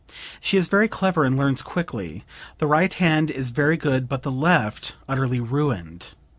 She is very clever and learns quickly. The right hand is very good but the left utterly ruined.